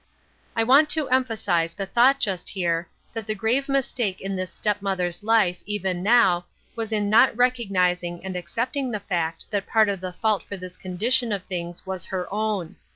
I want to emphasize the thought just here, that the grave mistake in this step mother's life, even now, was in not recognizing and accepting the fact that part of the fault for this condition of things was her own.